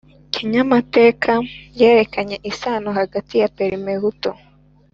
kinyamateka yerekanye isano hagati ya parmehutu